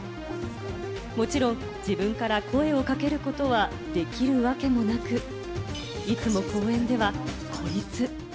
もちろん自分から声をかけることはできるわけもなく、いつも公園では孤立。